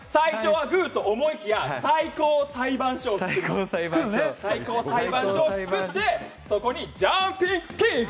まずは、最初はグーと思いきや、最高裁判所を作って、そこにジャンピングキーック！